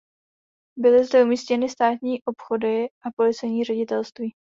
Byly zde umístěny státní obchody a policejní ředitelství.